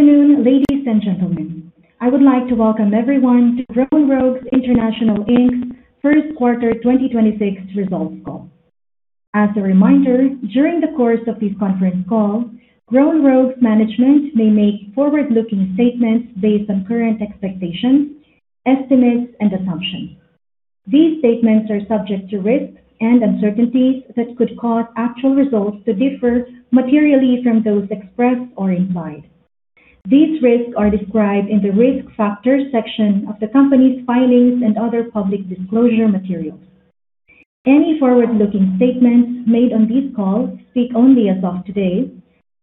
Good afternoon, ladies and gentlemen. I would like to welcome everyone to Grown Rogue International Inc.'s first quarter 2026 results call. As a reminder, during the course of this conference call, Grown Rogue management may make forward-looking statements based on current expectations, estimates, and assumptions. These statements are subject to risks and uncertainties that could cause actual results to differ materially from those expressed or implied. These risks are described in the Risk Factors section of the company's filings and other public disclosure materials. Any forward-looking statements made on this call speak only as of today,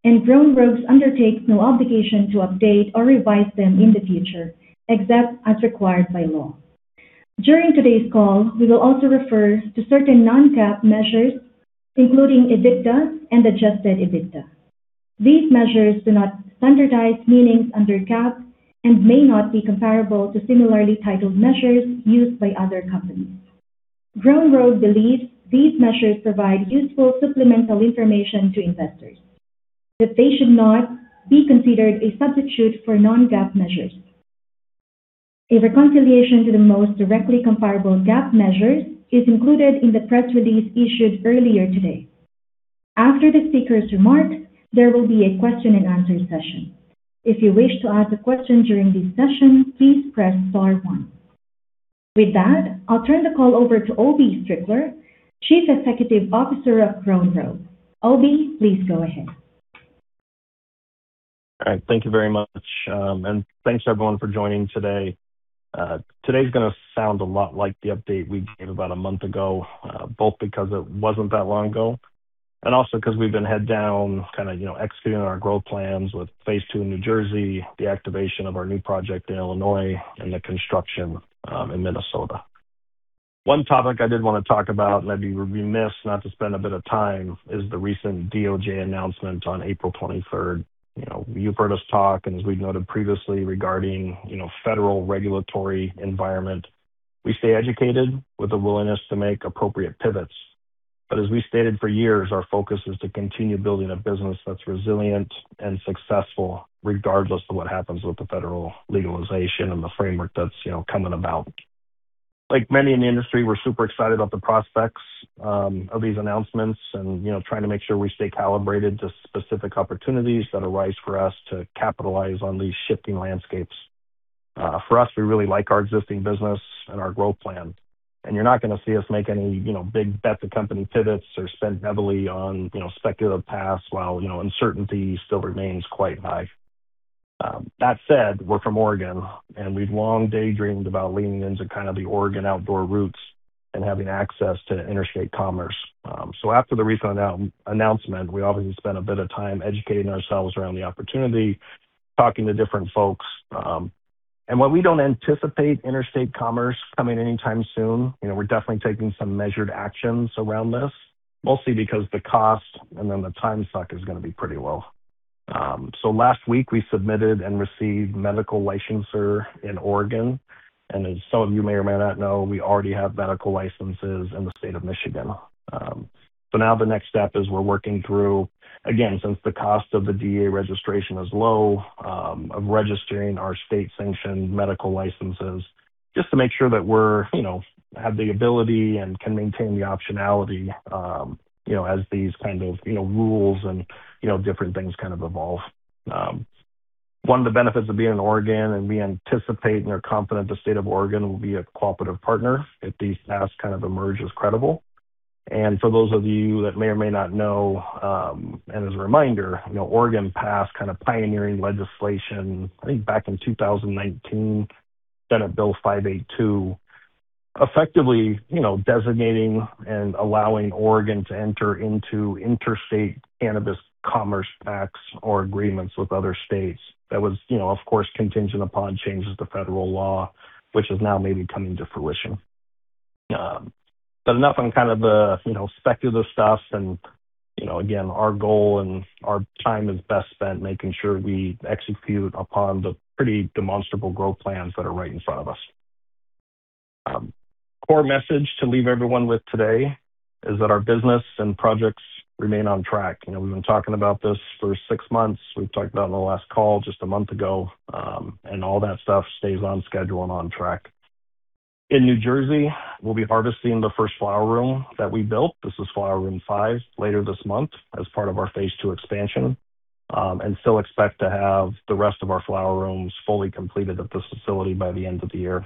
and Grown Rogue undertakes no obligation to update or revise them in the future, except as required by law. During today's call, we will also refer to certain non-GAAP measures, including EBITDA and adjusted EBITDA. These measures do not have standardized meanings under GAAP and may not be comparable to similarly titled measures used by other companies. Grown Rogue believes these measures provide useful supplemental information to investors, but they should not be considered a substitute for non-GAAP measures. A reconciliation to the most directly comparable GAAP measures is included in the press release issued earlier today. After the speaker's remarks, there will be a question and answer session. I'll turn the call over to Obie Strickler, Chief Executive Officer of Grown Rogue. Obie, please go ahead. All right. Thank you very much. Thanks everyone for joining today. Today's gonna sound a lot like the update we gave about a month ago, both because it wasn't that long ago and also 'cause we've been head down kinda, you know, executing our growth plans with Phase II in New Jersey, the activation of our new project in Illinois, and the construction in Minnesota. One topic I did wanna talk about, and I'd be remiss not to spend a bit of time, is the recent DOJ announcement on April 23rd. You know, you've heard us talk, and as we noted previously regarding, you know, federal regulatory environment. We stay educated with a willingness to make appropriate pivots. As we stated for years, our focus is to continue building a business that's resilient and successful regardless of what happens with the federal legalization and the framework that's, you know, coming about. Like many in the industry, we're super excited about the prospects of these announcements and, you know, trying to make sure we stay calibrated to specific opportunities that arise for us to capitalize on these shifting landscapes. For us, we really like our existing business and our growth plan. You're not gonna see us make any, you know, big bet-the-company pivots or spend heavily on, you know, speculative paths while, you know, uncertainty still remains quite high. That said, we're from Oregon, and we've long daydreamed about leaning into kind of the Oregon outdoor roots and having access to interstate commerce. After the recent announcement, we obviously spent a bit of time educating ourselves around the opportunity, talking to different folks. While we don't anticipate interstate commerce coming anytime soon, you know, we're definitely taking some measured actions around this, mostly because the cost and then the time suck is gonna be pretty low. Last week, we submitted and received medical licensure in Oregon. As some of you may or may not know, we already have medical licenses in the state of Michigan. Now the next step is we're working through, again, since the cost of the DEA registration is low, of registering our state-sanctioned medical licenses just to make sure that we're, you know, have the ability and can maintain the optionality, you know, as these kind of, you know, rules and, you know, different things kind of evolve. One of the benefits of being in Oregon and we anticipate and are confident the state of Oregon will be a cooperative partner if these paths kind of emerge as credible. For those of you that may or may not know, and as a reminder, you know, Oregon passed kind of pioneering legislation, I think back in 2019, Senate Bill 582, effectively, you know, designating and allowing Oregon to enter into interstate cannabis commerce pacts or agreements with other states. That was, you know, of course, contingent upon changes to federal law, which is now maybe coming to fruition. Enough on kind of the, you know, speculative stuff and, you know, again, our goal and our time is best spent making sure we execute upon the pretty demonstrable growth plans that are right in front of us. Core message to leave everyone with today is that our business and projects remain on track. You know, we've been talking about this for six months. We've talked about it on the last call just one month ago. All that stuff stays on schedule and on track. In New Jersey, we'll be harvesting the first flower room that we built, this is flower room five, later this month as part of our Phase II expansion. Still expect to have the rest of our flower rooms fully completed at this facility by the end of the year.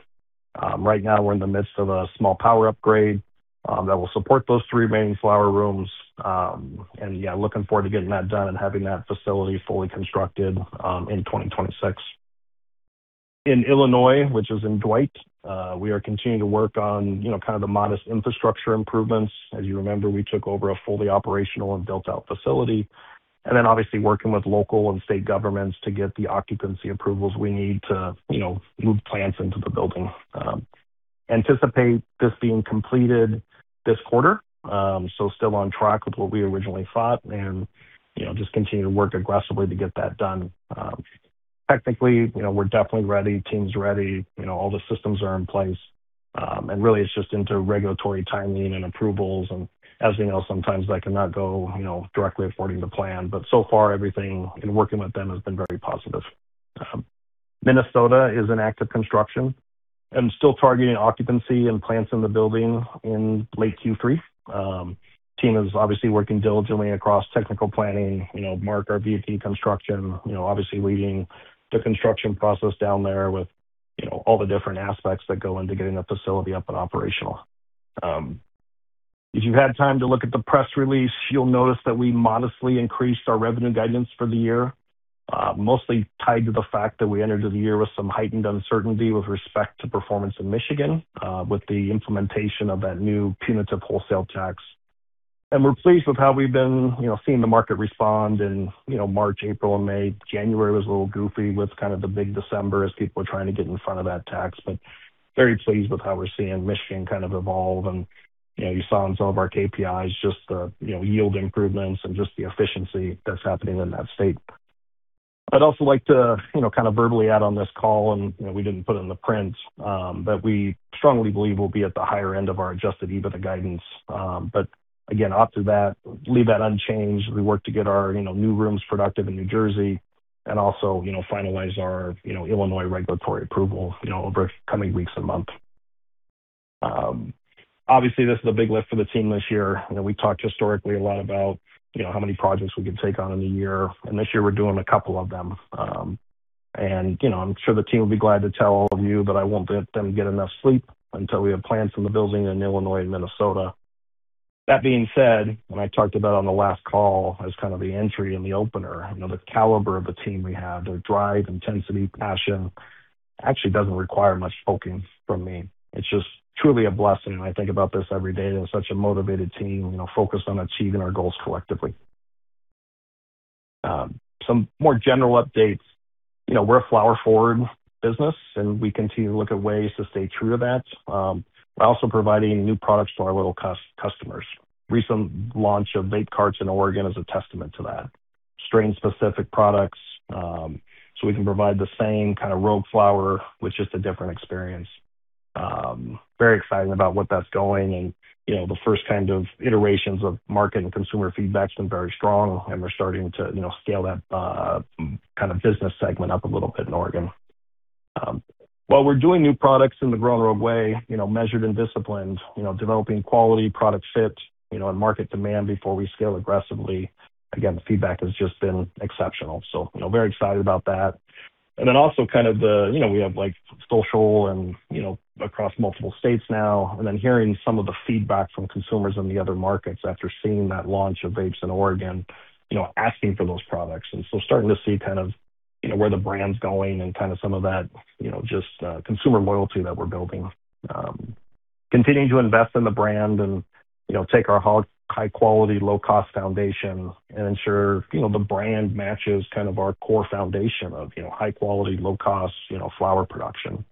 Right now we're in the midst of a small power upgrade that will support those three remaining flower rooms. Yeah, looking forward to getting that done and having that facility fully constructed in 2026. In Illinois, which is in Dwight, we are continuing to work on, you know, kind of the modest infrastructure improvements. As you remember, we took over a fully operational and built-out facility. Obviously working with local and state governments to get the occupancy approvals we need to, you know, move plants into the building. Anticipate this being completed this quarter, so still on track with what we originally thought and, you know, just continue to work aggressively to get that done. Technically, you know, we're definitely ready, team's ready, you know, all the systems are in place. Really it's just into regulatory timing and approvals, and as we know, sometimes that cannot go, you know, directly according to plan. So far, everything in working with them has been very positive. Minnesota is in active construction and still targeting occupancy and plants in the building in late Q3. Team is obviously working diligently across technical planning. You know, Mark, our VP Construction, you know, obviously leading the construction process down there with, you know, all the different aspects that go into getting a facility up and operational. If you've had time to look at the press release, you'll notice that we modestly increased our revenue guidance for the year, mostly tied to the fact that we entered the year with some heightened uncertainty with respect to performance in Michigan, with the implementation of that new punitive wholesale tax. We're pleased with how we've been, you know, seeing the market respond in, you know, March, April, and May. January was a little goofy with kind of the big December as people were trying to get in front of that tax. Very pleased with how we're seeing Michigan kind of evolve. You know, you saw in some of our KPIs just the, you know, yield improvements and just the efficiency that's happening in that state. I'd also like to, you know, kind of verbally add on this call, and, you know, we didn't put it in the print, that we strongly believe we'll be at the higher end of our adjusted EBITDA guidance. Again, off to that, leave that unchanged. We work to get our, you know, new rooms productive in New Jersey and also, you know, finalize our, you know, Illinois regulatory approval, you know, over coming weeks and month. Obviously, this is a big lift for the team this year. You know, we talked historically a lot about, you know, how many projects we could take on in a year, and this year we're doing a couple of them. You know, I'm sure the team will be glad to tell all of you that I won't let them get enough sleep until we have plants in the building in Illinois and Minnesota. That being said, I talked about on the last call as kind of the entry and the opener, you know, the caliber of the team we have, their drive, intensity, passion actually doesn't require much poking from me. It's just truly a blessing, and I think about this every day. They're such a motivated team, you know, focused on achieving our goals collectively. Some more general updates. You know, we're a flower forward business, and we continue to look at ways to stay true to that. We're also providing new products to our loyal customers. Recent launch of vape carts in Oregon is a testament to that. Strain-specific products, so we can provide the same kind of Rogue flower with just a different experience. Very excited about what that's going and, you know, the first kind of iterations of market and consumer feedback's been very strong, and we're starting to, you know, scale that kind of business segment up a little bit in Oregon. While we're doing new products in the Grown Rogue way, you know, measured and disciplined, you know, developing quality, product fit, you know, and market demand before we scale aggressively. Again, the feedback has just been exceptional, so, you know, very excited about that. Also kind of the, you know, we have like social and, you know, across multiple states now, and then hearing some of the feedback from consumers in the other markets after seeing that launch of vapes in Oregon, you know, asking for those products. Starting to see kind of, you know, where the brand's going and kind of some of that, you know, just, consumer loyalty that we're building. Continuing to invest in the brand and, you know, take our high quality, low cost foundation and ensure, you know, the brand matches kind of our core foundation of, you know, high quality, low cost, you know, flower production.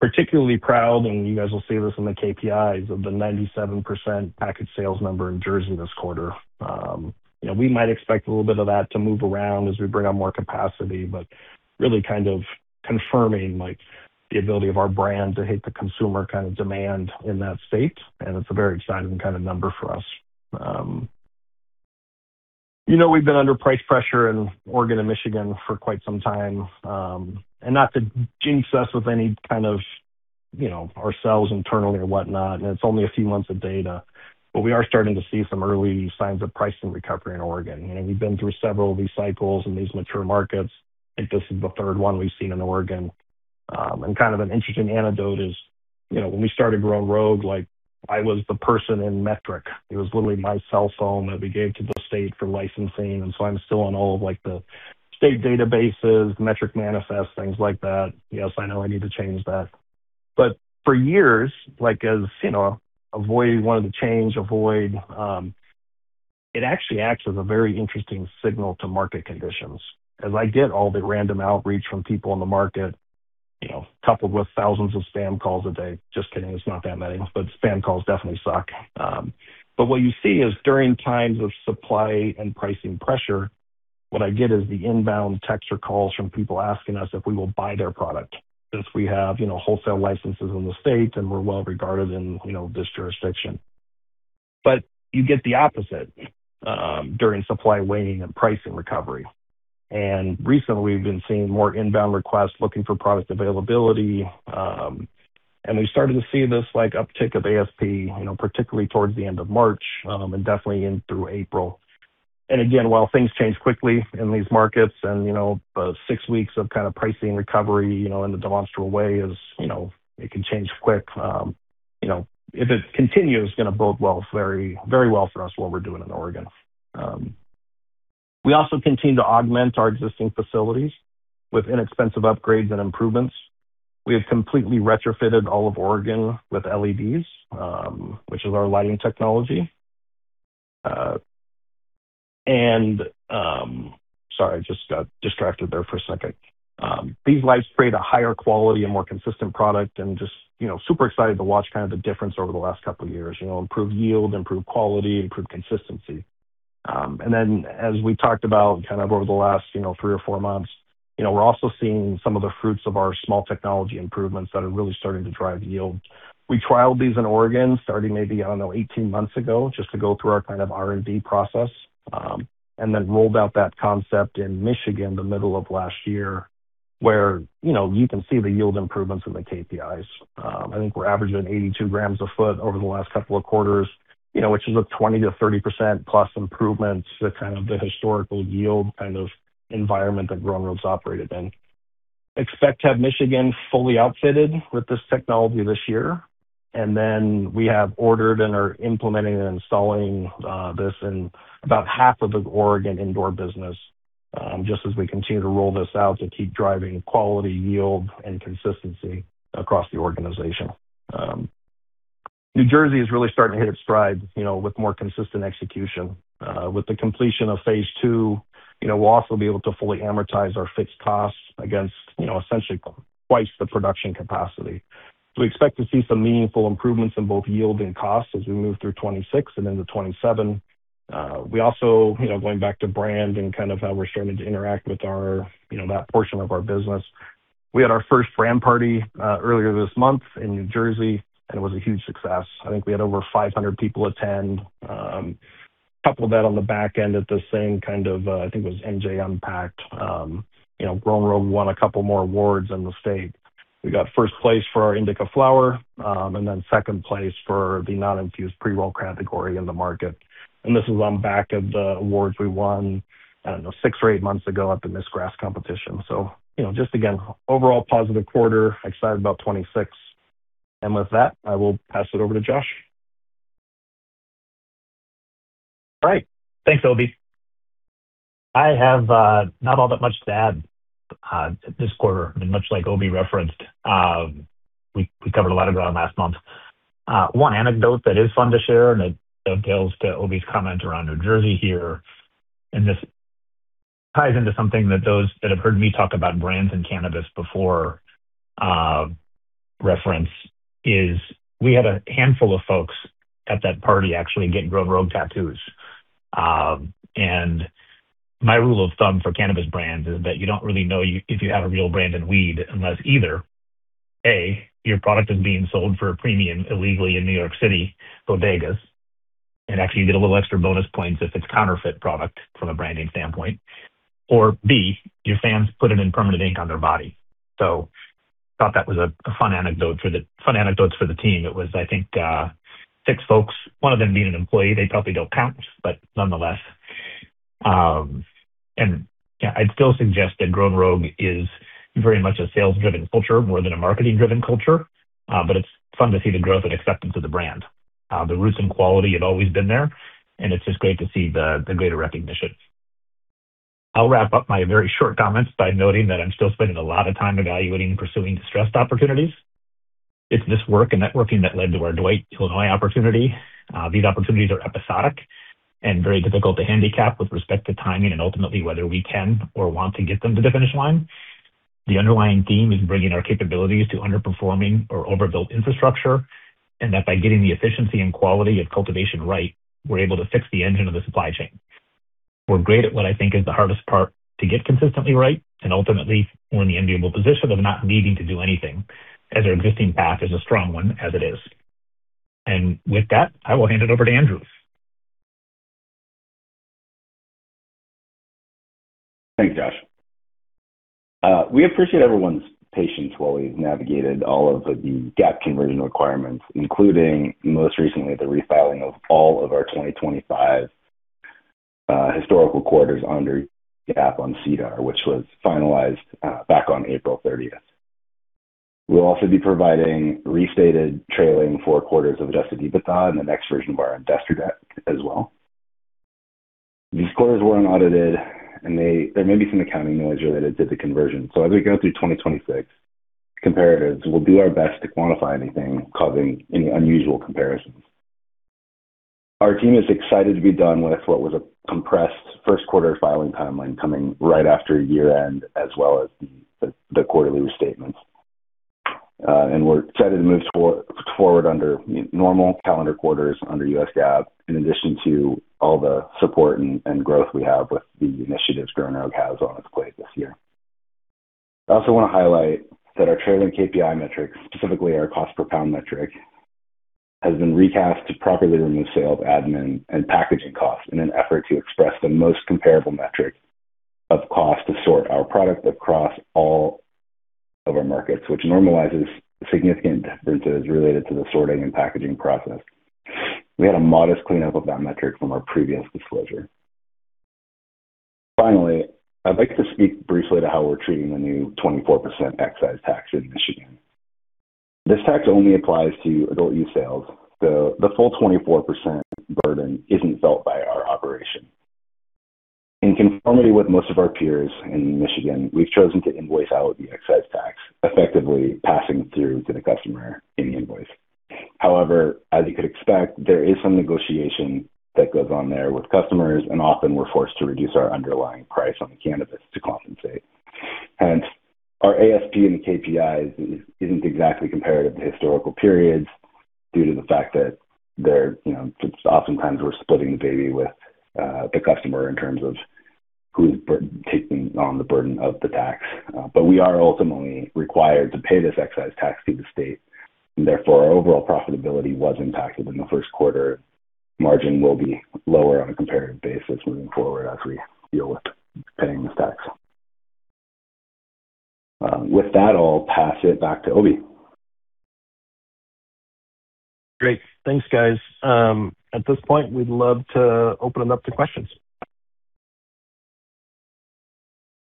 Particularly proud, and you guys will see this in the KPIs, of the 97% package sales number in Jersey this quarter. You know, we might expect a little bit of that to move around as we bring on more capacity, but really kind of confirming, like, the ability of our brand to hit the consumer kind of demand in that state, and it's a very exciting kind of number for us. You know, we've been under price pressure in Oregon and Michigan for quite some time, and not to jinx us with any kind of, you know, ourselves internally or whatnot, and it's only a few months of data, but we are starting to see some early signs of pricing recovery in Oregon. You know, we've been through several of these cycles in these mature markets. I think this is the third one we've seen in Oregon. Kind of an interesting anecdote is, you know, when we started Grown Rogue, like I was the person in Metrc. It was literally my cell phone that we gave to the state for licensing, I'm still on all of, like, the state databases, Metrc manifest, things like that. Yes, I know I need to change that. For years, like as, you know, it actually acts as a very interesting signal to market conditions. As I get all the random outreach from people in the market, you know, coupled with thousands of spam calls a day. Just kidding, it's not that many, but spam calls definitely suck. What you see is during times of supply and pricing pressure, what I get is the inbound texts or calls from people asking us if we will buy their product since we have, you know, wholesale licenses in the state and we're well-regarded in, you know, this jurisdiction. You get the opposite during supply waning and pricing recovery. Recently we've been seeing more inbound requests looking for product availability, and we started to see this like uptick of ASP, you know, particularly towards the end of March, and definitely in through April. Again, while things change quickly in these markets and, you know, the six weeks of kind of pricing recovery, you know, in a demonstrable way is, you know, it can change quick. You know, if it continues, it's going to bode very, very well for us what we're doing in Oregon. We also continue to augment our existing facilities with inexpensive upgrades and improvements. We have completely retrofitted all of Oregon with LEDs, which is our lighting technology. Sorry, I just got distracted there for a second. These lights create a higher quality and more consistent product and just, you know, super excited to watch kind of the difference over the last couple of years. You know, improved yield, improved quality, improved consistency. As we talked about kind of over the last, you know, three or four months, you know, we're also seeing some of the fruits of our small technology improvements that are really starting to drive yield. We trialed these in Oregon starting maybe, I don't know, 18 months ago, just to go through our kind of R&D process, and then rolled out that concept in Michigan the middle of last year, where, you know, you can see the yield improvements in the KPIs. I think we're averaging 82g a foot over the last couple of quarters, you know, which is a 20%-30% plus improvements to kind of the historical yield kind of environment that Grown Rogue's operated in. Expect to have Michigan fully outfitted with this technology this year, and then we have ordered and are implementing and installing this in about half of the Oregon indoor business, just as we continue to roll this out to keep driving quality, yield, and consistency across the organization. New Jersey is really starting to hit its stride, you know, with more consistent execution. With the completion of Phase II, you know, we'll also be able to fully amortize our fixed costs against, you know, essentially twice the production capacity. We expect to see some meaningful improvements in both yield and cost as we move through 2026 and into 2027. We also, you know, going back to brand and kind of how we're starting to interact with our, you know, that portion of our business. We had our first brand party earlier this month in New Jersey, and it was a huge success. I think we had over 500 people attend. Coupled that on the back end at this thing kind of, I think it was MJ Unpacked. You know, Grown Rogue won a couple more awards in the state. We got first place for our indica flower, and then second place for the non-infused pre-roll category in the market. This is on back of the awards we won, I don't know, six or eight months ago at the Miss Grass competition. You know, just again, overall positive quarter, excited about 26. With that, I will pass it over to Josh. All right. Thanks, Obie. I have not all that much to add this quarter. I mean, much like Obie referenced, we covered a lot of ground last month. One anecdote that is fun to share, and it dovetails to Obie's comment around New Jersey here, and this ties into something that those that have heard me talk about brands and cannabis before, reference, is we had a handful of folks at that party actually get Grown Rogue tattoos. My rule of thumb for cannabis brands is that you don't really know if you have a real brand in weed unless either, A, your product is being sold for a premium illegally in New York City bodegas, and actually you get a little extra bonus points if it's counterfeit product from a branding standpoint, or B, your fans put it in permanent ink on their body. Thought that was a fun anecdote for the team. It was, I think, six folks, one of them being an employee, they probably don't count, but nonetheless. Yeah, I'd still suggest that Grown Rogue is very much a sales-driven culture more than a marketing-driven culture, but it's fun to see the growth and acceptance of the brand. The roots and quality have always been there, and it's just great to see the greater recognition. I'll wrap up my very short comments by noting that I'm still spending a lot of time evaluating and pursuing distressed opportunities. It's this work and networking that led to our Dwight, Illinois opportunity. These opportunities are episodic and very difficult to handicap with respect to timing and ultimately whether we can or want to get them to the finish line. The underlying theme is bringing our capabilities to underperforming or overbuilt infrastructure, and that by getting the efficiency and quality of cultivation right, we're able to fix the engine of the supply chain. We're great at what I think is the hardest part to get consistently right, ultimately, we're in the enviable position of not needing to do anything, as our existing path is a strong one as it is. With that, I will hand it over to Andrew. Thanks, Josh. We appreciate everyone's patience while we've navigated all of the GAAP conversion requirements, including most recently the refiling of all of our 2025 historical quarters under GAAP on SEDAR, which was finalized back on April 30th. We'll also be providing restated trailing four quarters of adjusted EBITDA in the next version of our investor deck as well. These quarters weren't audited, and there may be some accounting noise related to the conversion. As we go through 2026 comparatives, we'll do our best to quantify anything causing any unusual comparisons. Our team is excited to be done with what was a compressed first quarter filing timeline coming right after year-end as well as the quarterly restatements. We're excited to move forward under normal calendar quarters under U.S. GAAP in addition to all the support and growth we have with the initiatives Grown Rogue has on its plate this year. I also want to highlight that our trailing KPI metric, specifically our cost per pound metric, has been recast to properly remove sales, admin, and packaging costs in an effort to express the most comparable metric of cost to sort our product across all of our markets, which normalizes significant differences related to the sorting and packaging process. We had a modest cleanup of that metric from our previous disclosure. Finally, I'd like to speak briefly to how we're treating the new 24% excise tax in Michigan. This tax only applies to adult use sales, so the full 24% burden isn't felt by our operation. In conformity with most of our peers in Michigan, we've chosen to invoice out the excise tax, effectively passing through to the customer in the invoice. However, as you could expect, there is some negotiation that goes on there with customers, and often we're forced to reduce our underlying price on the cannabis to compensate. Our ASP and KPIs isn't exactly comparative to historical periods due to the fact that they're, you know, oftentimes we're splitting the baby with the customer in terms of who's taking on the burden of the tax. We are ultimately required to pay this excise tax to the state, and therefore our overall profitability was impacted in the first quarter. Margin will be lower on a comparative basis moving forward as we deal with paying this tax. With that, I'll pass it back to Obie. Great. Thanks, guys. At this point, we'd love to open it up to questions.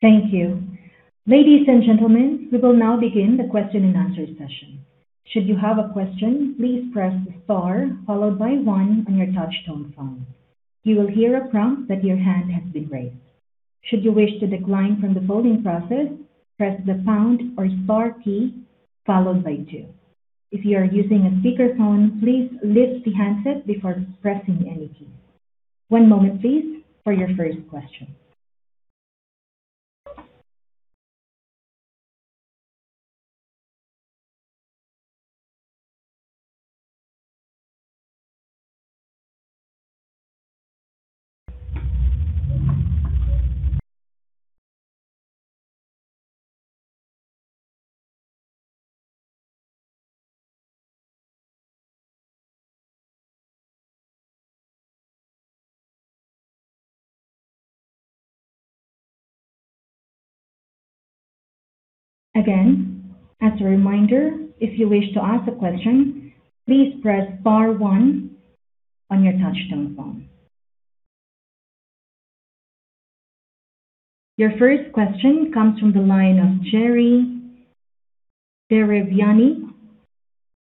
Thank you. Ladies and gentlemen, we will now begin the question and answer session. Should you have a question, please press star followed by one on your touchtone phone. You will hear a prompt that your hand has been raised. Should you wish to decline from the polling process, press the pound or star key followed by two. If you are using a speakerphone, please lift the handset before pressing any key. One moment, please, for your first question. Again as a remainder if you wish to ask a question, please press star one on your touchtone phone. Your first question comes from the line of Jerry Derevyanny.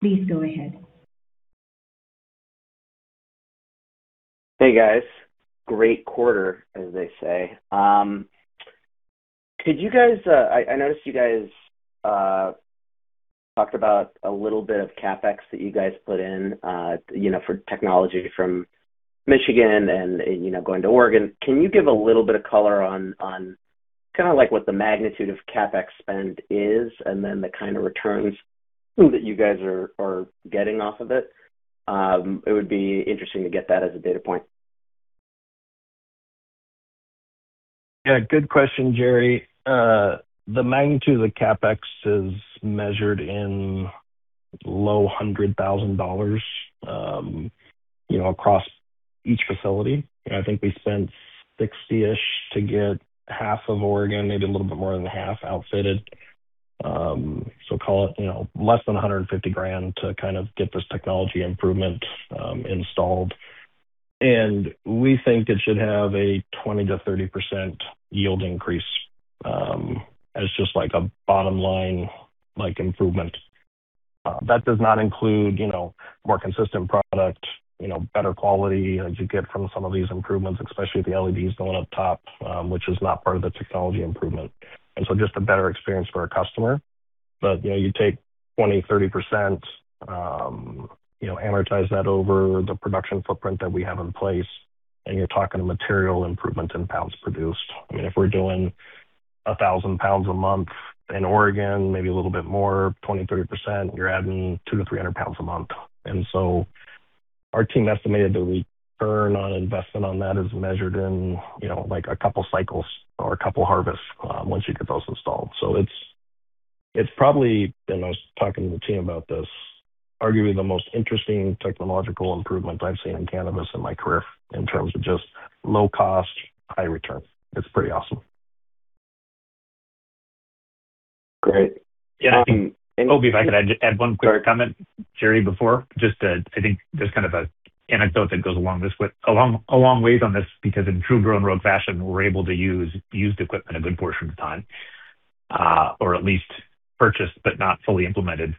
Please go ahead. Hey, guys. Great quarter, as they say. Could you guys, noticed you guys talked about a little bit of CapEx that you guys put in, you know, for technology from Michigan and, you know, going to Oregon. Can you give a little bit of color on kinda like what the magnitude of CapEx spend is and then the kinda returns that you guys are getting off of it? It would be interesting to get that as a data point. Yeah, good question, Jerry. The magnitude of the CapEx is measured in low $100,000, you know, across each facility. I think we spent 60-ish to get half of Oregon, maybe a little bit more than half outfitted. Call it, you know, less than $150,000 to kind of get this technology improvement installed. We think it should have a 20%-30% yield increase as just like a bottom-line like improvement. That does not include, you know, more consistent product, you know, better quality as you get from some of these improvements, especially the LEDs going up top, which is not part of the technology improvement. Just a better experience for our customer. You know, you take 20%, 30%, you know, amortize that over the production footprint that we have in place, you're talking a material improvement in pounds produced. I mean, if we're doing 1,000 lbs a month in Oregon, maybe a little bit more, 20%, 30%, you're adding 200 lbs-300 lbs a month. Our team estimated the return on investment on that is measured in, you know, like a couple cycles or a couple harvests once you get those installed. It's, it's probably, and I was talking to the team about this, arguably the most interesting technological improvement I've seen in cannabis in my career in terms of just low cost, high return. It's pretty awesome. Great. Yeah. Obie, if I could just add one quick comment, Jerry, before. I think there's kind of a anecdote that goes along with this a long, long ways on this, because in true Grown Rogue fashion, we're able to use used equipment a good portion of the time, or at least purchase but not fully implemented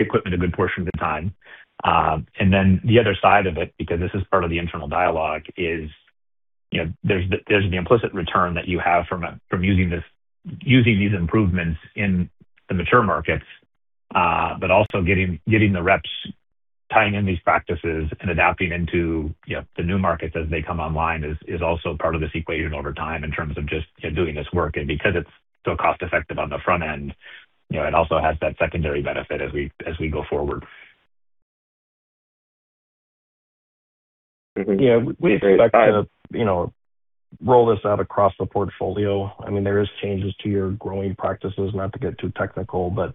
equipment a good portion of the time. Then the other side of it, because this is part of the internal dialogue, is, you know, there's the implicit return that you have from using this, using these improvements in the mature markets, but also getting the reps tying in these practices and adapting into, you know, the new markets as they come online is also part of this equation over time in terms of just, you know, doing this work. Because it's so cost-effective on the front end, you know, it also has that secondary benefit as we go forward. Yeah. We expect to, you know, roll this out across the portfolio. I mean, there is changes to your growing practices. Not to get too technical, but,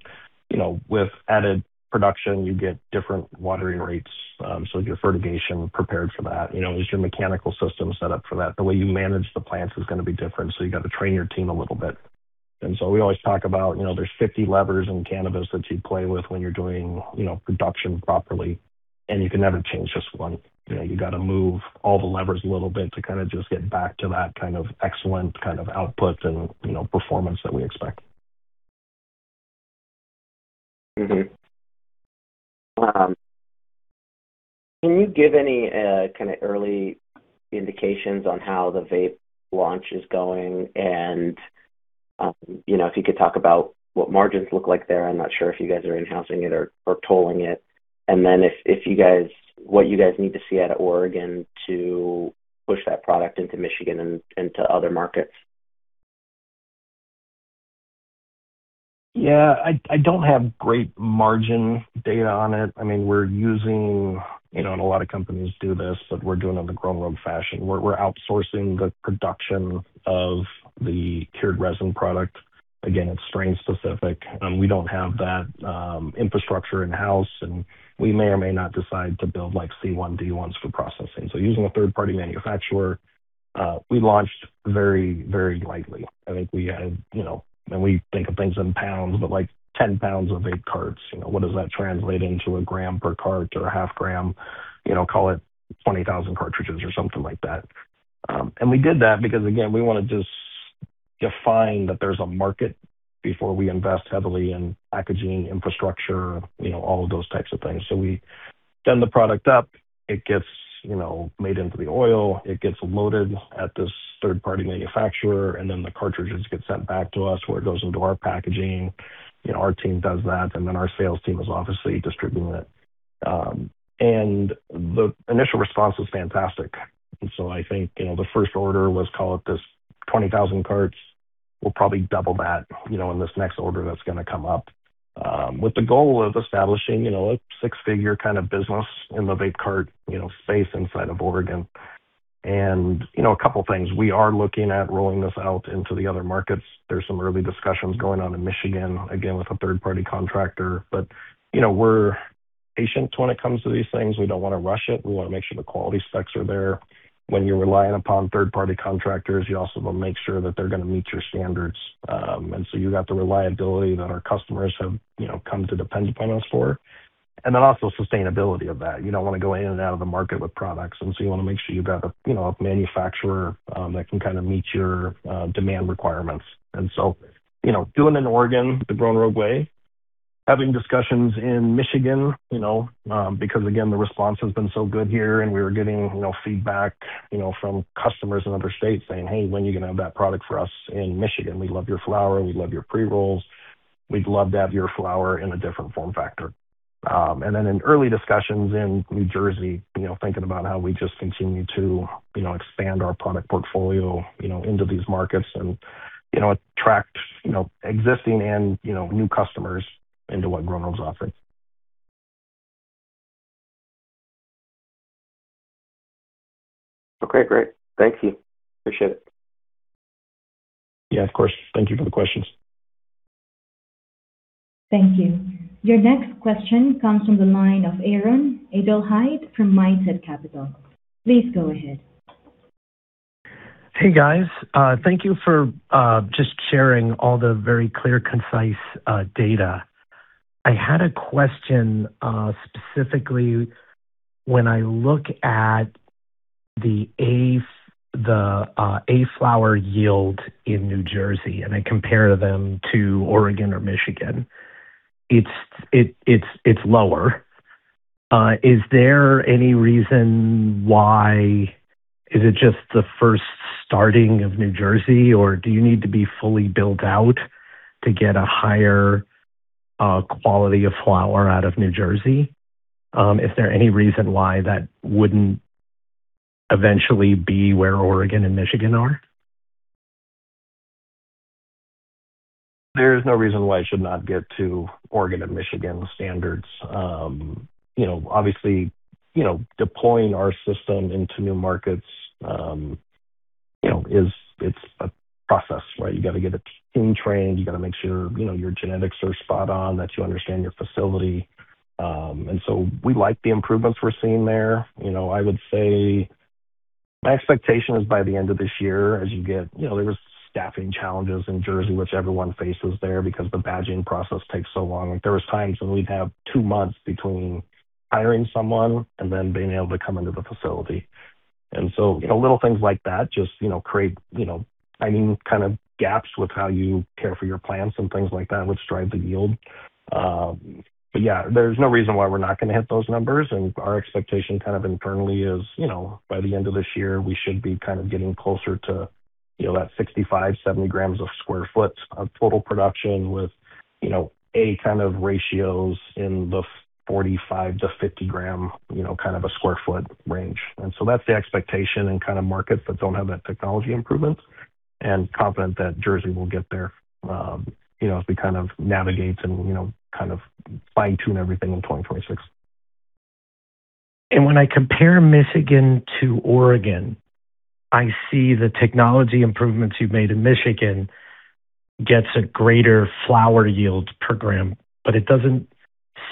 you know, with added production, you get different watering rates, so your fertigation prepared for that. You know, is your mechanical system set up for that? The way you manage the plants is gonna be different, so you gotta train your team a little bit. We always talk about, you know, there's 50 levers in cannabis that you play with when you're doing, you know, production properly, and you can never change just one. You know, you gotta move all the levers a little bit to kind of just get back to that kind of excellent kind of output and, you know, performance that we expect. Can you give any kind of early indications on how the vape launch is going? You know, if you could talk about what margins look like there. I'm not sure if you guys are in-housing it or tolling it. What you guys need to see out of Oregon to push that product into Michigan and to other markets? Yeah. I don't have great margin data on it. I mean, we're using, you know, and a lot of companies do this, but we're doing it in the Grown Rogue fashion. We're outsourcing the production of the cured resin product. Again, it's strain-specific. We don't have that infrastructure in-house, and we may or may not decide to build like C1D1s for processing. Using a third-party manufacturer, we launched very, very lightly. I think we had, you know, and we think of things in pounds, but like 10 lbs of vape carts. You know, what does that translate into, 1g per cart or a half gram? You know, call it 20,000 cartridges or something like that. We did that because, again, we want to just define that there's a market before we invest heavily in packaging infrastructure, you know, all of those types of things. We send the product up, it gets, you know, made into the oil, it gets loaded at this third-party manufacturer, and then the cartridges get sent back to us, where it goes into our packaging. You know, our team does that, our sales team is obviously distributing it. The initial response was fantastic. I think, you know, the first order was, call it this, 20,000 carts. We will probably double that, you know, in this next order that's going to come up, with the goal of establishing, you know, a six-figure kind of business in the vape cart, you know, space inside of Oregon. You know, a couple of things. We are looking at rolling this out into the other markets. There's some early discussions going on in Michigan, again, with a third-party contractor. You know, we're patient when it comes to these things. We don't wanna rush it. We wanna make sure the quality specs are there. When you're relying upon third-party contractors, you also want to make sure that they're gonna meet your standards. So you got the reliability that our customers have, you know, come to depend upon us for. Also sustainability of that. You don't want to go in and out of the market with products, and so you want to make sure you've got a, you know, a manufacturer that can kind of meet your demand requirements. You know, doing it in Oregon the Grown Rogue way, having discussions in Michigan, you know, because again, the response has been so good here, and we were getting, you know, feedback, you know, from customers in other states saying, "Hey, when are you gonna have that product for us in Michigan? We love your flower. We love your pre-rolls. We'd love to have your flower in a different form factor." In early discussions in New Jersey, you know, thinking about how we just continue to, you know, expand our product portfolio, you know, into these markets and, you know, attract, you know, existing and, you know, new customers into what Grown Rogue's offering. Okay, great. Thank you. Appreciate it. Yeah, of course. Thank you for the questions. Thank you. Your next question comes from the line of Aaron Edelheit from Mindset Capital. Please go ahead. Hey, guys. Thank you for just sharing all the very clear, concise data. I had a question, specifically when I look at the A-flower yield in New Jersey, and I compare them to Oregon or Michigan. It's lower. Is there any reason why? Is it just the first starting of New Jersey, or do you need to be fully built out to get a higher quality of flower out of New Jersey? Is there any reason why that wouldn't eventually be where Oregon and Michigan are? There is no reason why it should not get to Oregon and Michigan standards. You know, obviously, you know, deploying our system into new markets, you know, it's a process, right? You gotta get a team trained, you gotta make sure, you know, your genetics are spot on, that you understand your facility. We like the improvements we're seeing there. You know, I would say my expectation is by the end of this year, as you get You know, there was staffing challenges in Jersey, which everyone faces there because the badging process takes so long. There was times when we'd have two months between hiring someone and then being able to come into the facility. You know, little things like that just, you know, create, you know, timing kind of gaps with how you care for your plants and things like that, which drive the yield. Yeah, there's no reason why we're not gonna hit those numbers, and our expectation kind of internally is, you know, by the end of this year, we should be kind of getting closer to, you know, that 65, 70g of sq ft of total production with, you know, A kind of ratios in the 45g-50g, you know, kind of a square foot range. That's the expectation in kind of markets that don't have that technology improvements, and confident that Jersey will get there, you know, as we kind of navigate and, you know, kind of fine-tune everything in 2026. When I compare Michigan to Oregon, I see the technology improvements you've made in Michigan gets a greater flower yield per gram. It doesn't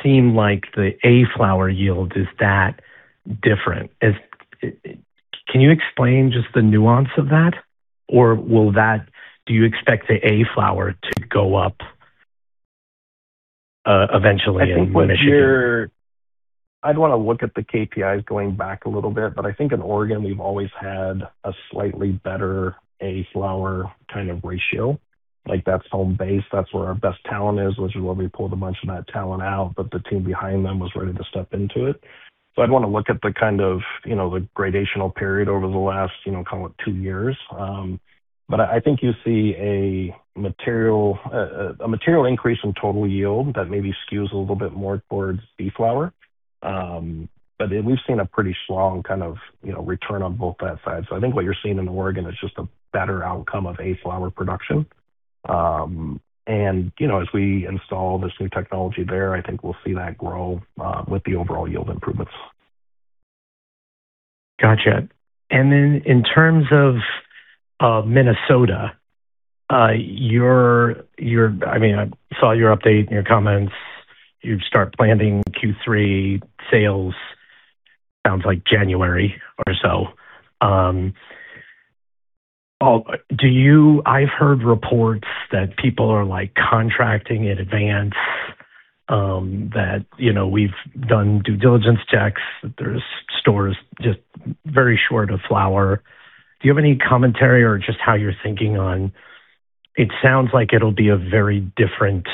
seem like the A-flower yield is that different. Can you explain just the nuance of that? Do you expect the A-flower to go up eventually in Michigan? I'd wanna look at the KPIs going back a little bit, but I think in Oregon we've always had a slightly better A-flower kind of ratio. Like, that's home base. That's where our best talent is, which is where we pulled a bunch of that talent out. The team behind them was ready to step into it. I'd want to look at the kind of, you know, the gradational period over the last, you know, call it two years. I think you see a material, a material increase in total yield that maybe skews a little bit more towards B-flower. We've seen a pretty strong kind of, you know, return on both that side. I think what you're seeing in Oregon is just a better outcome of A-flower production. You know, as we install this new technology there, I think we'll see that grow, with the overall yield improvements. Gotcha. In terms of Minnesota, your I mean, I saw your update and your comments. You'd start planning Q3 sales, sounds like January or so. I've heard reports that people are, like, contracting in advance, that, you know, we've done due diligence checks, that there's stores just very short of flower. Do you have any commentary or just how you're thinking on, it sounds like it'll be a very different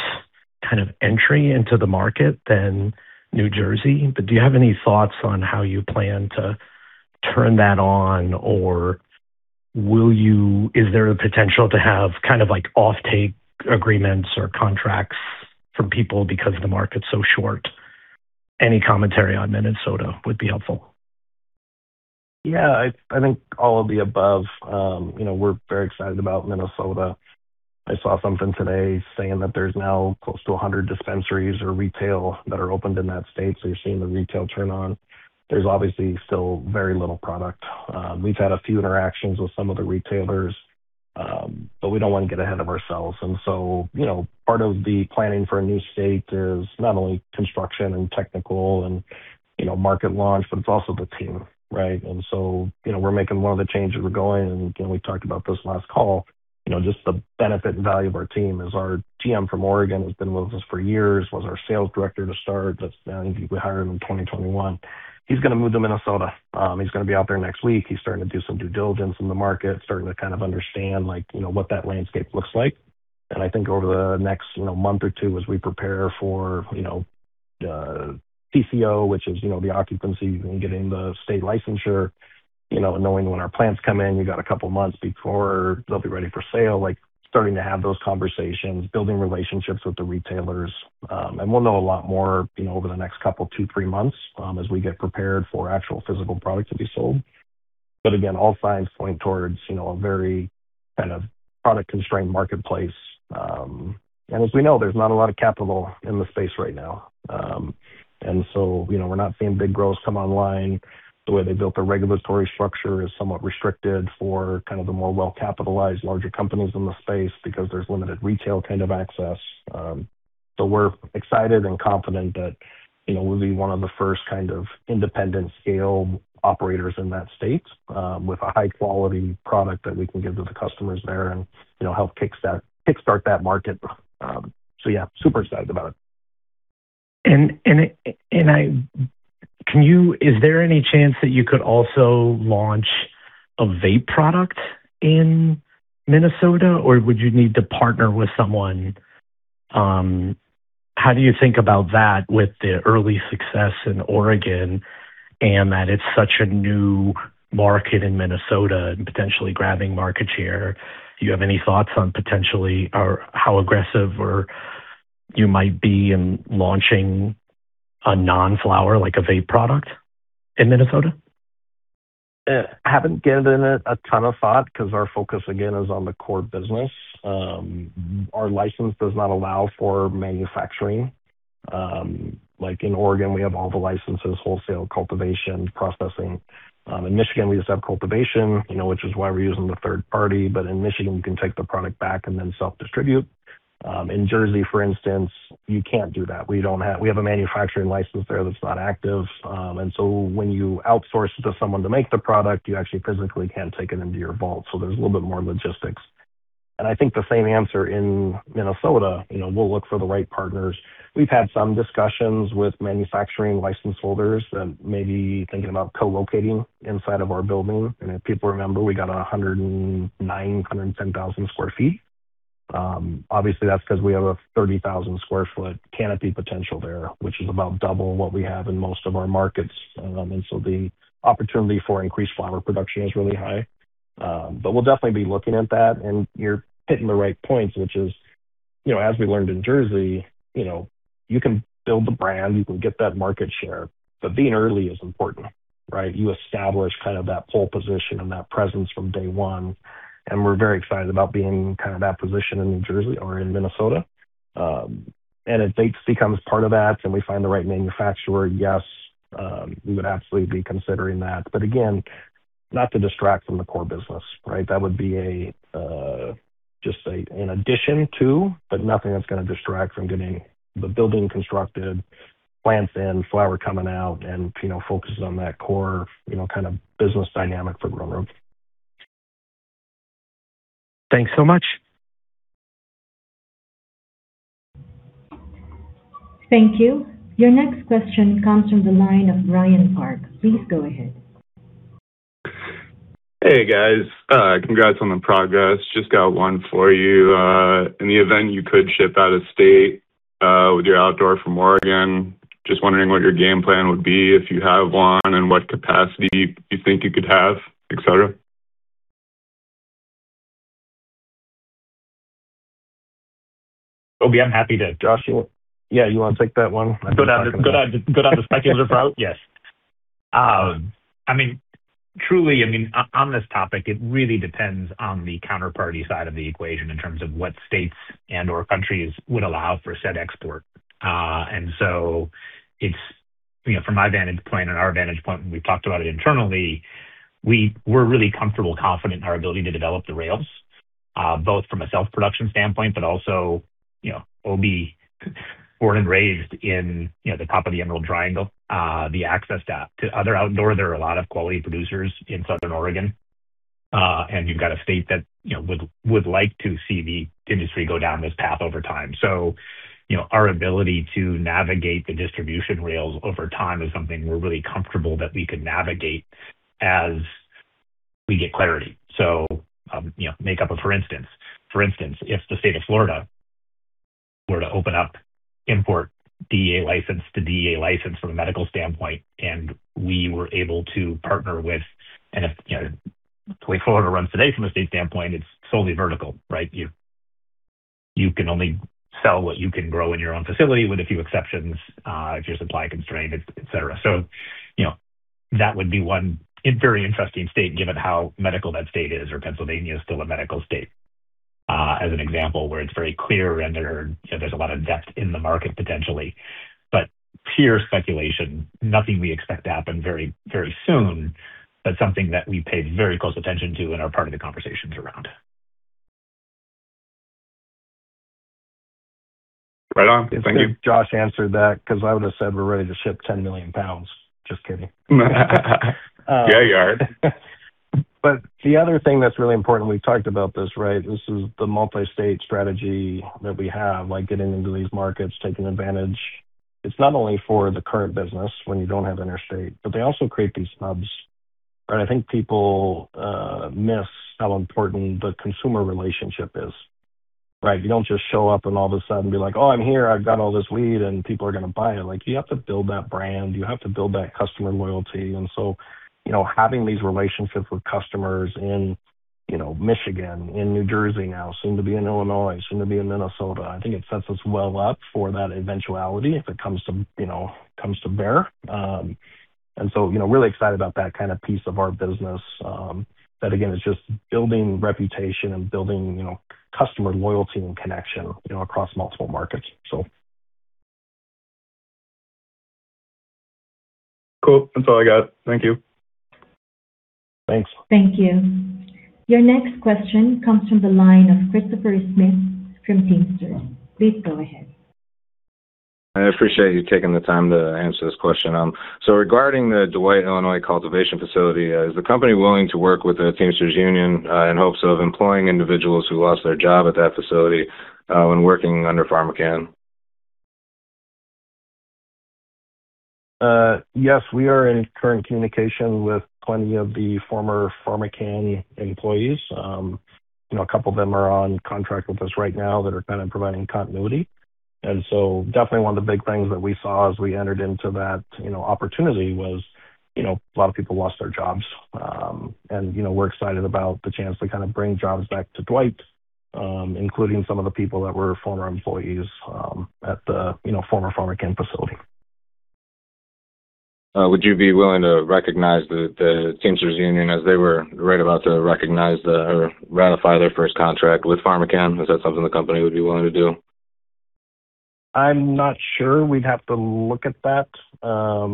kind of entry into the market than New Jersey, but do you have any thoughts on how you plan to turn that on? Is there a potential to have kind of like off-take agreements or contracts from people because the market's so short? Any commentary on Minnesota would be helpful. Yeah. I think all of the above. You know, we're very excited about Minnesota. I saw something today saying that there's now close to 100 dispensaries or retail that are opened in that state, so you're seeing the retail turn on. There's obviously still very little product. We've had a few interactions with some of the retailers, but we don't wanna get ahead of ourselves. You know, part of the planning for a new state is not only construction and technical and, you know, market launch, but it's also the team, right? You know, we're making a lot of the changes. Again, we talked about this last call, you know, just the benefit and value of our team is our GM from Oregon, who's been with us for years, was our sales director to start. I think we hired him in 2021. He's gonna move to Minnesota. He's gonna be out there next week. He's starting to do some due diligence in the market, starting to kind of understand, like, you know, what that landscape looks like. I think over the next, you know, month or two as we prepare for, you know, the TCO, which is, you know, the occupancies and getting the state licensure, you know, knowing when our plants come in, we got a couple of months before they'll be ready for sale. Like, starting to have those conversations, building relationships with the retailers. We'll know a lot more, you know, over the next two, three months, as we get prepared for actual physical product to be sold. Again, all signs point towards, you know, a very kind of product-constrained marketplace. As we know, there's not a lot of capital in the space right now. You know, we're not seeing big grows come online. The way they built their regulatory structure is somewhat restricted for kind of the more well-capitalized larger companies in the space because there's limited retail kind of access. We're excited and confident that, you know, we'll be one of the first kind of independent scale operators in that state with a high-quality product that we can give to the customers there and, you know, help kickstart that market. Yeah, super excited about it. Is there any chance that you could also launch a vape product in Minnesota, or would you need to partner with someone? How do you think about that with the early success in Oregon and that it's such a new market in Minnesota and potentially grabbing market share? Do you have any thoughts on potentially or how aggressive you might be in launching a non-flower like a vape product in Minnesota? Haven't given it a ton of thought because our focus again is on the core business. Our license does not allow for manufacturing. Like in Oregon, we have all the licenses, wholesale, cultivation, processing. In Michigan, we just have cultivation, you know, which is why we're using the third party. In Michigan, you can take the product back and then self-distribute. In Jersey, for instance, you can't do that. We have a manufacturing license there that's not active. When you outsource it to someone to make the product, you actually physically can take it into your vault. There's a little bit more logistics. I think the same answer in Minnesota, you know, we'll look for the right partners. We've had some discussions with manufacturing license holders that may be thinking about co-locating inside of our building. If people remember, we got 109,000 sq ft, 110,000 sq ft. Obviously that's 'cause we have a 30,000 sq ft canopy potential there, which is about double what we have in most of our markets. The opportunity for increased flower production is really high. We'll definitely be looking at that, and you're hitting the right points, which is, you know, as we learned in Jersey, you know, you can build the brand, you can get that market share, but being early is important, right. You establish kind of that pole position and that presence from day one, and we're very excited about being kind of that position in New Jersey or in Minnesota. If vape becomes part of that and we find the right manufacturer, yes, we would absolutely be considering that. Again, not to distract from the core business, right? That would be a, just a, an addition to, but nothing that's gonna distract from getting the building constructed, plants in, flower coming out and, you know, focuses on that core, you know, kind of business dynamic for Grown Rogue. Thanks so much. Thank you. Your next question comes from the line of Brian Park. Please go ahead. Hey guys, congrats on the progress. Just got one for you. In the event you could ship out of state, with your outdoor from Oregon, just wondering what your game plan would be if you have one, and what capacity you think you could have, etc? Obie Strickler, I'm happy to- Josh, Yeah, you wanna take that one? I'm good. Go down the speculative route? Yes. I mean, truly, I mean, on this topic, it really depends on the counterparty side of the equation in terms of what states and/or countries would allow for said export. It's, you know, from my vantage point and our vantage point when we talked about it internally, we're really comfortable, confident in our ability to develop the rails, both from a self-production standpoint, but also, you know, Obie born and raised in, you know, the top of the Emerald Triangle, the access to other outdoor. There are a lot of quality producers in southern Oregon, you've got a state that, you know, would like to see the industry go down this path over time. You know, our ability to navigate the distribution rails over time is something we're really comfortable that we could navigate as we get clarity. You know, make up a for instance. For instance, if the state of Florida were to open up import DEA license to DEA license from a medical standpoint, and we were able to partner with, and if, you know, the way Florida runs today from a state standpoint, it's solely vertical, right? You can only sell what you can grow in your own facility with a few exceptions, if you're supply constrained, etc. You know, that would be one very interesting state given how medical that state is, or Pennsylvania is still a medical state, as an example, where it's very clear and there, you know, there's a lot of depth in the market potentially. Pure speculation, nothing we expect to happen very, very soon, but something that we pay very close attention to and are part of the conversations around. Right on. Thank you. It's good Josh answered that because I would have said we're ready to ship 10 million lbs. Just kidding. Yeah, you are. The other thing that's really important, we've talked about this, right? This is the multi-state strategy that we have, like getting into these markets, taking advantage. It's not only for the current business when you don't have interstate, but they also create these hubs. Right? I think people miss how important the consumer relationship is, right? You don't just show up and all of a sudden be like, "Oh, I'm here. I've got all this weed, and people are gonna buy it." You have to build that brand. You have to build that customer loyalty. You know, having these relationships with customers in, you know, Michigan, in New Jersey now, soon to be in Illinois, soon to be in Minnesota, I think it sets us well up for that eventuality if it comes to, you know, comes to bear. You know, really excited about that kind of piece of our business, that again is just building reputation and building, you know, customer loyalty and connection, you know, across multiple markets. Cool. That's all I got. Thank you. Thanks. Thank you. Your next question comes from the line of Christopher Smith from Teamsters. Please go ahead. I appreciate you taking the time to answer this question. Regarding the Dwight, Illinois, cultivation facility, is the company willing to work with the Teamsters union, in hopes of employing individuals who lost their job at that facility, when working under PharmaCann? Yes, we are in current communication with plenty of the former PharmaCann employees. You know, a couple of them are on contract with us right now that are kind of providing continuity. Definitely one of the big things that we saw as we entered into that, you know, opportunity was, you know, a lot of people lost their jobs. You know, we're excited about the chance to kind of bring jobs back to Dwight, including some of the people that were former employees, at the, you know, former PharmaCann facility. Would you be willing to recognize the Teamsters union as they were right about to ratify their first contract with PharmaCann? Is that something the company would be willing to do? I'm not sure. We'd have to look at that. I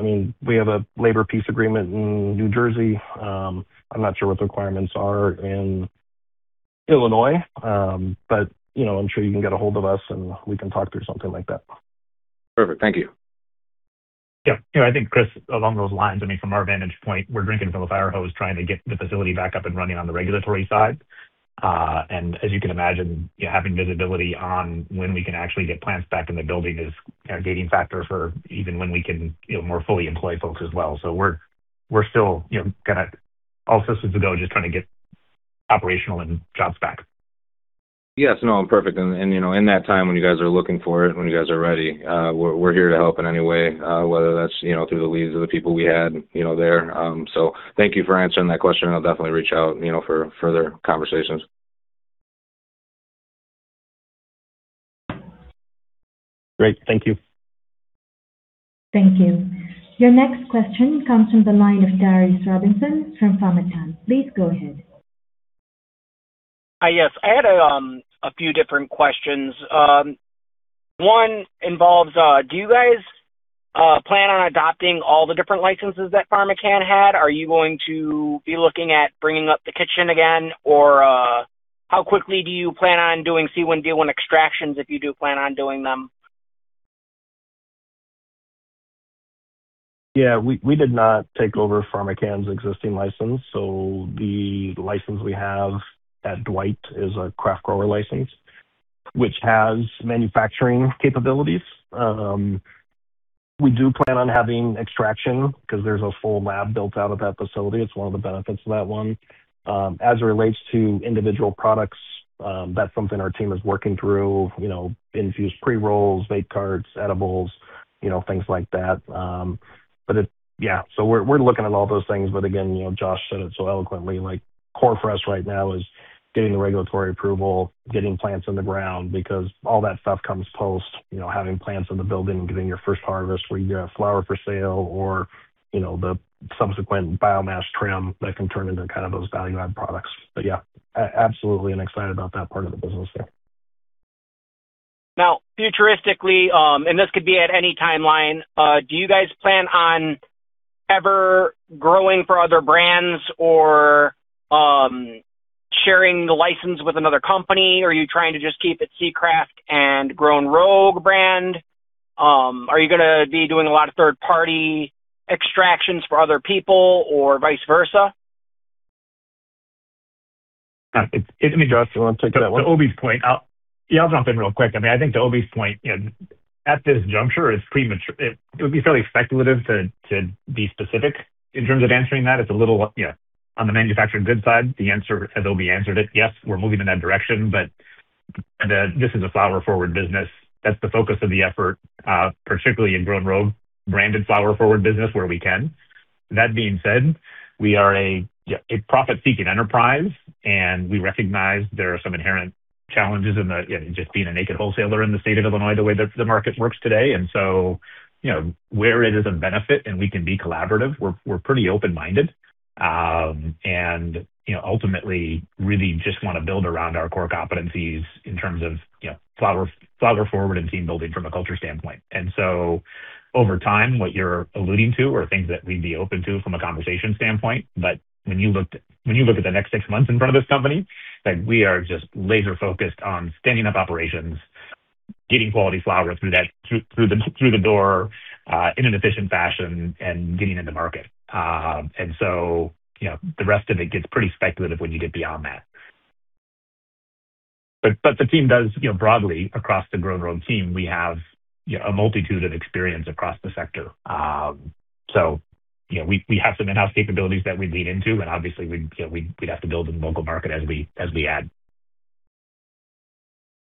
mean, we have a labor peace agreement in New Jersey. I'm not sure what the requirements are in Illinois. You know, I'm sure you can get a hold of us, and we can talk through something like that. Perfect. Thank you. Yeah. You know, I think, Chris, along those lines, I mean, from our vantage point, we're drinking from a fire hose trying to get the facility back up and running on the regulatory side. As you can imagine, having visibility on when we can actually get plants back in the building is our gating factor for even when we can, you know, more fully employ folks as well. We're still, you know, kinda all systems go, just trying to get operational and jobs back. Yes, no, perfect. You know, in that time when you guys are looking for it, when you guys are ready, we're here to help in any way, whether that's, you know, through the leads of the people we had, you know, there. Thank you for answering that question. I'll definitely reach out, you know, for further conversations. Great. Thank you. Thank you. Your next question comes from the line of [Darius Robinson] from PharmaCann. Please go ahead. Yes. I had a few different questions. One involves, do you guys plan on adopting all the different licenses that PharmaCann had? Are you going to be looking at bringing up the kitchen again? How quickly do you plan on doing C1D1 extractions if you do plan on doing them? Yeah, we did not take over PharmaCann's existing license. The license we have at Dwight is a Craft Grower License, which has manufacturing capabilities. We do plan on having extraction because there's a full lab built out of that facility. It's one of the benefits of that one. As it relates to individual products, that's something our team is working through. You know, infused pre-rolls, vape carts, edibles, you know, things like that. Yeah. We're looking at all those things, but again, you know, Josh said it so eloquently, like, core for us right now is getting the regulatory approval, getting plants in the ground, because all that stuff comes post. You know, having plants in the building, getting your first harvest where you have flower for sale or, you know, the subsequent biomass trim that can turn into kind of those value-add products. Yeah, absolutely, and excited about that part of the business, yeah. Now, futuristically, and this could be at any timeline, do you guys plan on ever growing for other brands or sharing the license with another company? Are you trying to just keep it Sea Craft and Grown Rogue brand? Are you gonna be doing a lot of third-party extractions for other people or vice versa? Yeah. Let me, Josh, do you want to take that one? To Obie's point. I'll jump in real quick. I mean, I think to Obie's point, you know, at this juncture it's premature. It would be fairly speculative to be specific in terms of answering that. It's a little, yeah. On the manufactured goods side, the answer, as Obie answered it, yes, we're moving in that direction, this is a flower-forward business. That's the focus of the effort, particularly in Grown Rogue branded flower-forward business where we can. That being said, we are a profit-seeking enterprise. We recognize there are some inherent challenges in the, you know, just being a naked wholesaler in the state of Illinois, the way that the market works today. You know, where it is a benefit and we can be collaborative, we're pretty open-minded. And you know, ultimately really just want to build around our core competencies in terms of, you know, flower-forward and team building from a culture standpoint. When you look at the next six months in front of this company, like we are just laser-focused on standing up operations, getting quality flowers through that, through the door in an efficient fashion and getting in the market. You know, the rest of it gets pretty speculative when you get beyond that. The team does, you know, broadly across the Grown Rogue team, we have a multitude of experience across the sector. You know, we have some in-house capabilities that we lean into and obviously we, you know, we'd have to build in the local market as we add.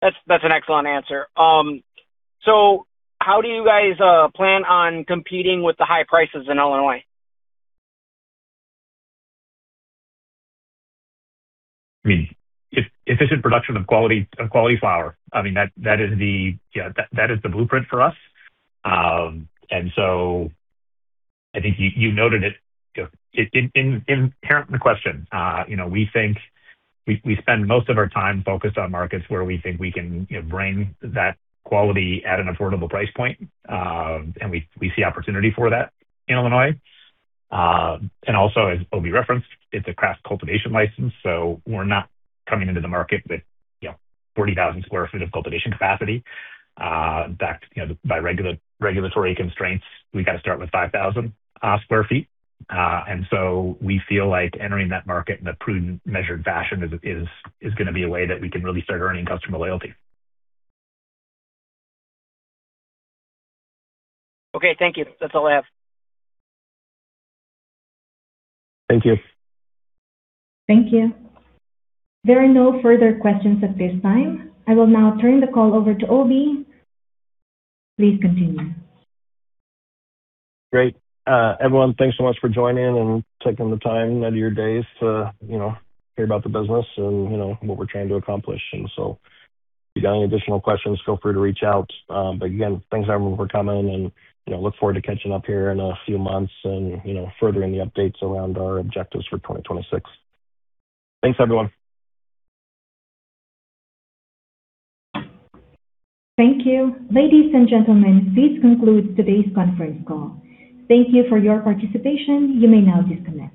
That's an excellent answer. How do you guys plan on competing with the high prices in Illinois? I mean, efficient production of quality flower. I mean, that is the blueprint for us. I think you noted it, you know, inherent in the question. You know, we think we spend most of our time focused on markets where we think we can, you know, bring that quality at an affordable price point. Also as Obie referenced, it's a craft grower license, so we're not coming into the market with, you know, 40,000 sq ft of cultivation capacity. In fact, you know, by regulatory constraints, we got to start with 5,000 sq ft. We feel like entering that market in a prudent, measured fashion is gonna be a way that we can really start earning customer loyalty. Okay. Thank you. That's all I have. Thank you. Thank you. There are no further questions at this time. I will now turn the call over to Obie. Please continue. Great. Everyone, thanks so much for joining and taking the time out of your days to, you know, hear about the business and you know what we're trying to accomplish. If you got any additional questions, feel free to reach out. Again, thanks everyone for coming and, you know, look forward to catching up here in a few months and, you know, furthering the updates around our objectives for 2026. Thanks, everyone. Thank you. Ladies and gentlemen, this concludes today's conference call. Thank you for your participation. You may now disconnect.